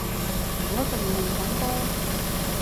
我仲練緊波